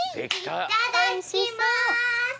いただきます！